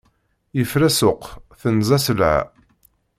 Yefra ssuq, tenza sselɛa.